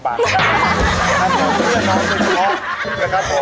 ไปกันบีกันผม